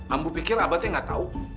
ambu pikir abah teh nggak tahu